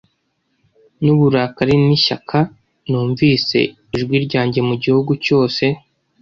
n'uburakari n'ishyaka numvise ijwi ryanjye mu gihugu cyose.